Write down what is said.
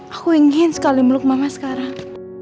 aku ingin sekali meluk mama sekarang